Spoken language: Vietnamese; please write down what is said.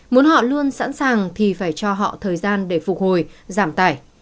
muốn họ luôn sẵn sàng thì phải cho họ thời gian để phục hồi giảm tải